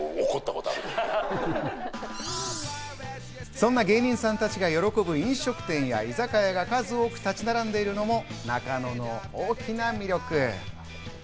そんな芸人さんたちが喜ぶ飲食店や居酒屋が数多く立ち並んでいるのも中野の大きな魅力。